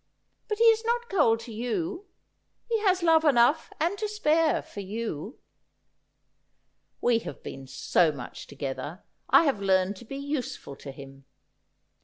But he is not cold to you ; he has love enough, and to spare, for you.' ' We have been so much together. I have learned to be use ful to him.'